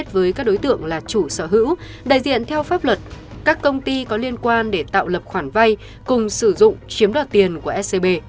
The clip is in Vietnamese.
với các đối tượng là chủ sở hữu đại diện theo pháp luật các công ty có liên quan để tạo lập khoản vay cùng sử dụng chiếm đoạt tiền của scb